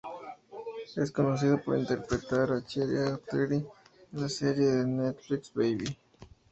Es conocida por interpretar a Chiara Altieri en la serie de Netflix "Baby".